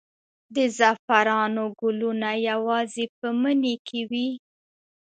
د زعفرانو ګلونه یوازې په مني کې وي؟